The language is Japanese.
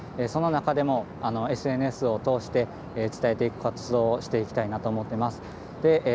その中でも、ＳＮＳを通して、伝えていく活動をしていきたいなと思っています。